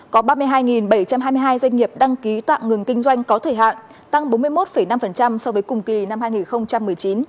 năm hai nghìn hai mươi hai doanh nghiệp đăng ký tạm ngừng kinh doanh có thể hạn tăng bốn mươi một năm so với cùng kỳ năm hai nghìn một mươi chín